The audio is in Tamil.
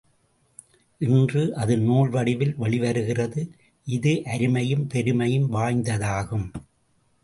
இன்று அது நூல் வடிவில் வெளிவருகிறது, இது அருமையும் பெருமையும் வாய்ந்ததாகும்.